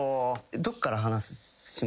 どっから話します？